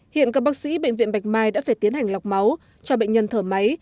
hiện các bác sĩ bệnh viện bạch mai đã phải tiến hành lọc máu cho bệnh nhân thở máy